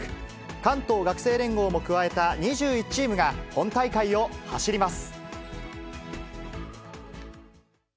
関東学生連合も加えた２１チームが本大会を走ります。